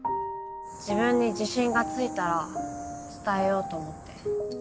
自分に自信がついたら伝えようと思って。